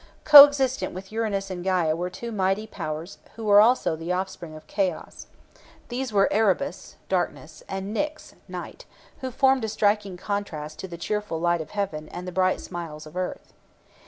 Co existent with Uranus and Gæa were two mighty powers who were also the offspring of Chaos. These were Erebus (Darkness) and Nyx (Night), who formed a striking contrast to the cheerful light of heaven and the bright smiles of earth.